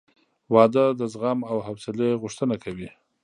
• واده د زغم او حوصلې غوښتنه کوي.